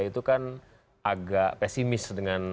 itu kan agak pesimis